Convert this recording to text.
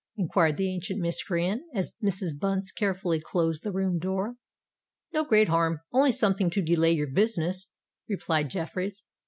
enquired the ancient miscreant, as Mrs. Bunce carefully closed the room door. "No great harm—only something to delay your business," replied Jeffreys.